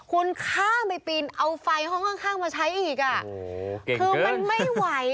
คุณข้ามไปปีนเอาไฟห้องข้างมาใช้อีกอ่ะคือมันไม่ไหว